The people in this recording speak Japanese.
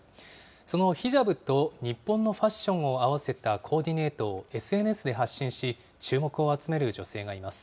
そのヒジャブと日本のファッションを合わせたコーディネートをＳＮＳで発信し、注目を集める女性がいます。